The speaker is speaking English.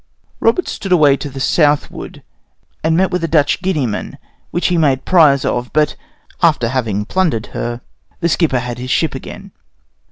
Roberts stood away to the southward, and met with a Dutch Guineaman, which he made prize of, but, after having plundered her, the skipper had his ship again.